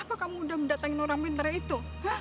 apa kamu udah mendatangin orang mentera itu